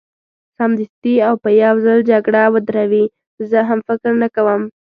سمدستي او په یو ځل جګړه ودروي، زه هم فکر نه کوم.